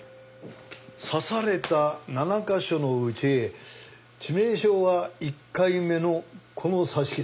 刺された７カ所のうち致命傷は１回目のこの刺し傷。